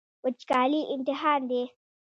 وچکالي امتحان دی.